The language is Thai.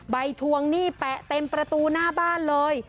ทวงหนี้แปะเต็มประตูหน้าบ้านเลย